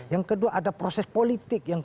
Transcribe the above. yang kedua ada proses politik yang